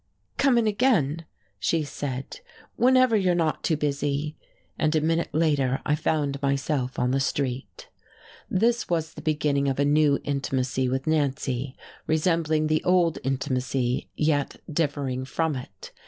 "Come in again," she said, "whenever you're not too busy." And a minute later I found myself on the street. This was the beginning of a new intimacy with Nancy, resembling the old intimacy yet differing from it.